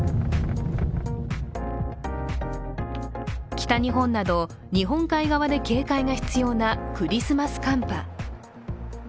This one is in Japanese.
北日本など日本海側で警戒が必要なクリスマス寒波。